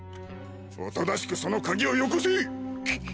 おとなしくその鍵をよこせ！